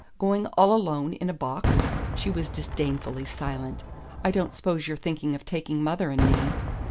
"Going all alone in a box?" She was disdainfully silent. "I don't s'pose you're thinking of taking mother and me?"